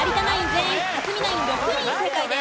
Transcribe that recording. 全員克実ナイン６人正解です。